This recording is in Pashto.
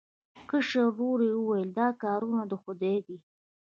کشر ورور وویل دا کارونه د خدای دي.